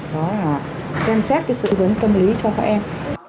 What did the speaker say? đó là xem xét sự tư vấn tâm lý cho các em